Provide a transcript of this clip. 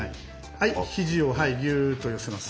はい肘をギューッと寄せます。